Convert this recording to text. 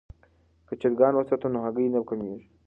که چرګان وساتو نو هګۍ نه کمیږي.